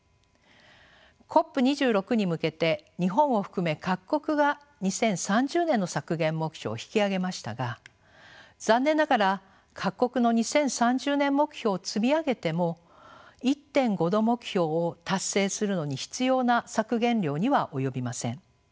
ＣＯＰ２６に向けて日本を含め各国が２０３０年の削減目標を引き上げましたが残念ながら各国の２０３０年目標を積み上げても１．５℃目標を達成するのに必要な削減量には及びません。